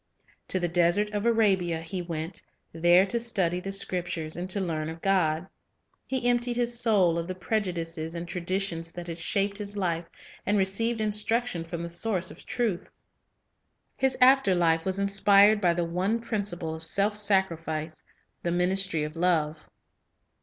To the desert of Arabia he went, there to study the Scriptures and to learn of God. He emptied his soul of the prejudices and traditions that had shaped his life, and received instruction from the Source of truth. His after life was inspired by the one principle of self sacrifice, the ministry of love.